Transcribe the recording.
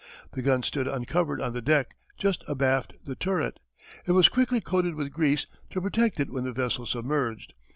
The gun stood uncovered on the deck, just abaft the turret. It was thickly coated with grease to protect it when the vessel submerged.